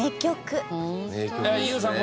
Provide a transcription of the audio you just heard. ＹＯＵさん